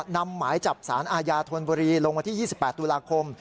หมายจับสารอาญาธนบุรีลงวันที่๒๘ตุลาคม